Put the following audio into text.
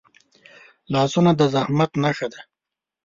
لاسونه د زحمت نښه ده